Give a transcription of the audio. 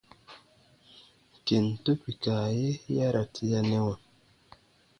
Kentu kpika ye ya ra tianɛwa.